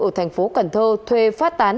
ở thành phố cần thơ thuê phát tán